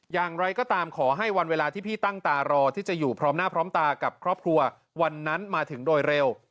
อย่างไรก็ตามขอให้วันเวลาที่พี่ตั้งตารอที่จะอยู่พร้อมหน้าพร้อมตากับครอบครัววันนั้นมาถึงโดยเร็ว